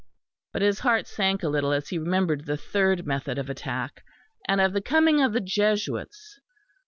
But his heart sank a little as he remembered the third method of attack, and of the coming of the Jesuits.